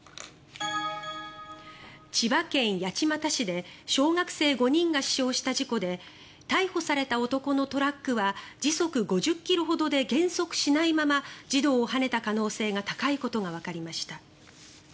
千葉県八街市で小学生５人が死傷した事故で逮捕された男のトラックは時速５０ｋｍほどで減速しないまま児童をはねた可能性が高いことがわかりました。